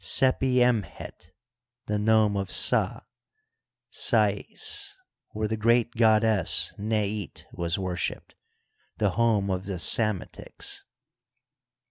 Sepi em ket, the nome of Sa (Sats), where the great goddess Nez7 was worshiped, the home of the Psametichs.